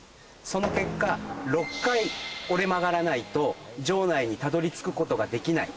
その結果、６回折れ曲がらないと城内にたどり着く事ができない。